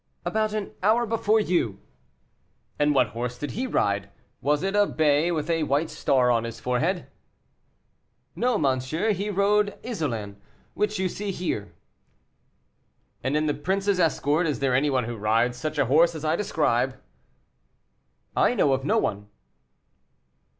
"About an hour before you." "And what horse did he ride? was it a bay with a white star on his forehead?" "No, monsieur, he rode Isolin, which you see here." "And in the prince's escort is there any one who rides such a horse as I describe?" "I know of no one."